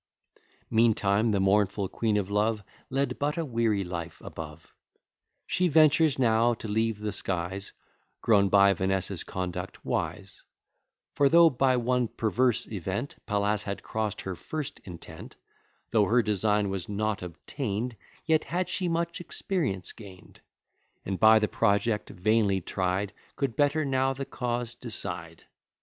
Meantime the mournful Queen of Love Led but a weary life above. She ventures now to leave the skies, Grown by Vanessa's conduct wise: For though by one perverse event Pallas had cross'd her first intent; Though her design was not obtain'd: Yet had she much experience gain'd, And, by the project vainly tried, Could better now the cause decide.